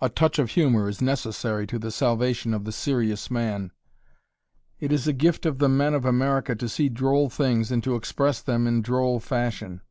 A touch of humor is necessary to the salvation of the serious man. It is a gift of the men of America to see droll things and to express them in droll fashion.